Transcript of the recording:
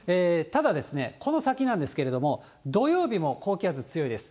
ただ、この先なんですけれども、土曜日も高気圧強いです。